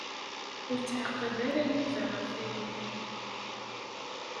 Ur ttɛaqab ara Yuba ɣef ayen.